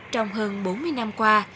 trong hơn bốn mươi năm qua